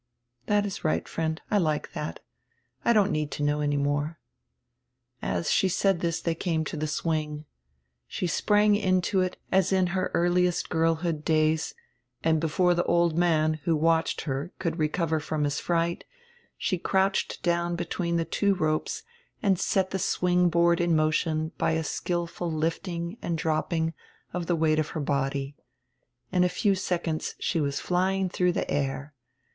"That is right, friend, I like diat; I don't need to know any more." As she said diis diey came to die swing. She sprang into it as nimbly as in her earliest girlhood days, and before the old man, who watched her, could recover from his fright, she crouched down between die two ropes and set die swing board in motion by a skillful lifting and dropping of die weight of her body. In a few seconds she was flying dirough die air.